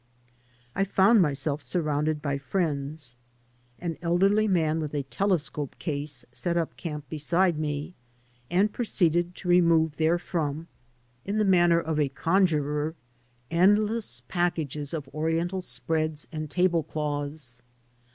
I found myself surrounded by friends. An elderly man with a telescope case set up camp beside me and proceeded to remove therefrom, in the manner of a 06 VENTURES AND ADVENTURES conjurer, endless packages of Oriental spreads and table cloths.